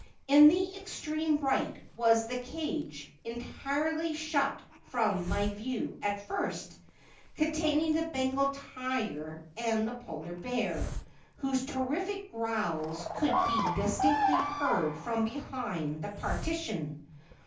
In the extreme right was the cage, entirely shut from my view at first, containing the Bengal tiger and the Polar bear, whose terrific growls could be distinctly heard from behind the partition.